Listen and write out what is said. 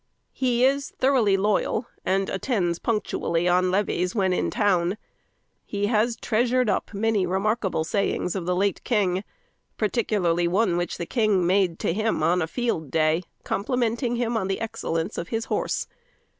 He is thoroughly loyal, and attends punctually on levees when in town. He has treasured up many remarkable sayings of the late king, particularly one which the king made to him on a field day, complimenting him on the excellence of his horse.